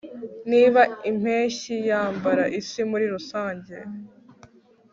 niba impeshyi yambara isi muri rusange